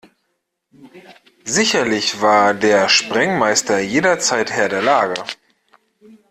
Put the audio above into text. Sicherlich war der Sprengmeister jederzeit Herr der Lage.